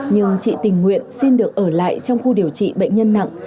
nhưng chị tình nguyện xin được ở lại trong khu điều trị bệnh nhân nặng